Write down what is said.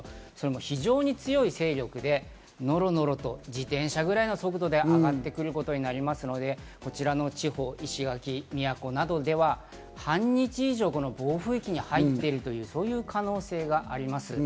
非常に強い勢力でノロノロと自転車ぐらいの速度で上がってくることになりますので、こちらの地方、石垣、宮古などでは半日以上、暴風域に入っているという可能性があります。